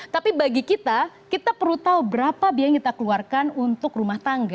tapi bagi kita kita perlu tahu berapa biaya yang kita keluarkan untuk rumah tangga